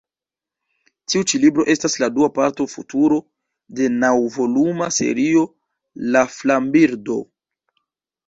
Tiu ĉi libro estas la dua parto Futuro de naŭvoluma serio La flambirdo.